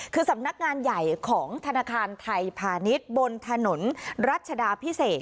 คือสำนักงานใหญ่ของธนาคารไทยพาณิชย์บนถนนรัชดาพิเศษ